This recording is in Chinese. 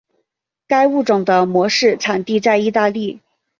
该物种的模式产地在意大利。